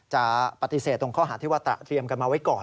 จะปฏิเสธตรงข้อหาที่ว่าตระเตรียมกันมาไว้ก่อน